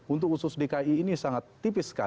untuk usus dki ini sangat tipis sekali